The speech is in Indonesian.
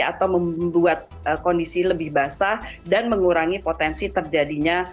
atau membuat kondisi lebih basah dan mengurangi potensi terjadinya